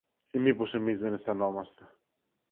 Ή μήπως εμείς δεν αισθανόμαστε;